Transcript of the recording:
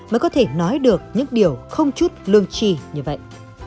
mới có thể nói được những điều không chút lương trì như vậy